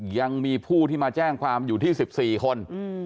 ยังมีผู้ที่มาแจ้งความอยู่ที่๑๔คน